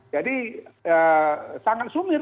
jadi sangat sumir